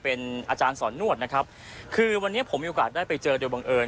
เป็นอาจารย์สอนนวดนะครับคือวันนี้ผมมีโอกาสได้ไปเจอโดยบังเอิญ